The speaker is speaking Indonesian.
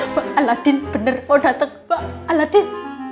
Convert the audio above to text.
mbak aladin bener mau dateng mbak aladin